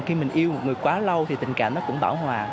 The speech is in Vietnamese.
khi mình yêu người quá lâu thì tình cảm nó cũng tỏa hòa